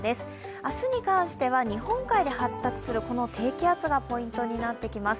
明日に関しては日本海で発達する低気圧がポイントになってきます。